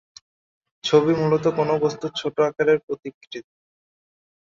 ছবি মূলত কোন বস্তুর ছোট আকারের প্রতিকৃতি।